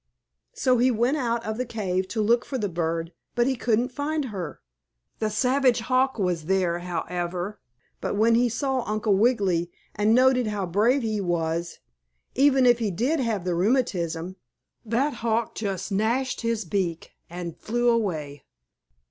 So he went out of the cave to look for the bird, but he couldn't find her. The savage hawk was there, however, but when he saw Uncle Wiggily and noted how brave he was, even if he did have the rheumatism, that hawk just gnashed his beak and flew away.